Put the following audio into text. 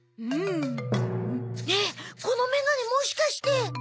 ねえこのメガネもしかして。